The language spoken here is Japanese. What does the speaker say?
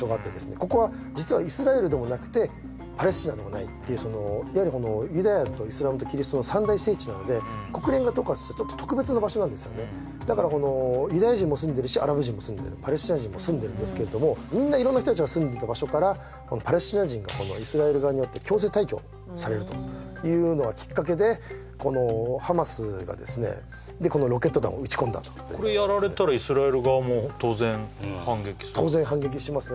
ここは実はイスラエルでもなくてパレスチナでもないっていうそのいわゆるユダヤとイスラムとキリストの三大聖地なので国連が許可したちょっと特別な場所なんですよねだからこのユダヤ人も住んでるしアラブ人も住んでるパレスチナ人も住んでるんですけれどもみんな色んな人達が住んでた場所からパレスチナ人がイスラエル側によって強制退去されるというのがきっかけでこのハマスがですねでこのロケット弾を打ち込んだとこれやられたらイスラエル側も当然反撃する当然反撃しますね